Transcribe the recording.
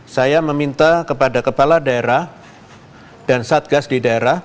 saya meminta kepada kepala daerah dan satgas di daerah